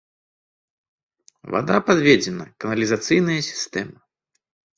Вада падведзена, каналізацыйная сістэма.